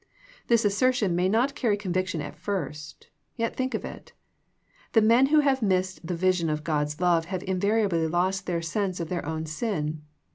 This assertion may not carry conviction at first, yet think of it ! The men who have missed the vision of God's love have invariably lost their sense of their own sin.